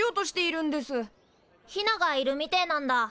ヒナがいるみてえなんだ。